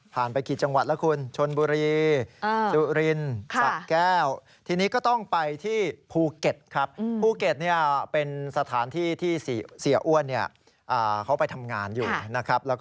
ผ่านไปกี่จังหวัดแล้วคุณ